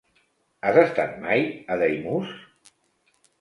Has estat mai a Daimús?